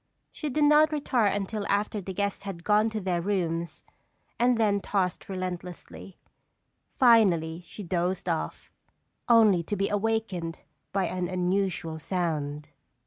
She did not retire until after the guests had gone to their rooms, and then tossed restlessly. Finally she dozed off, only to be awakened by an unusual sound.